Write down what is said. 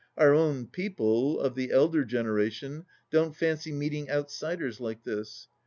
Our own people, of the elder generation, don't fancy meeting outsiders like this.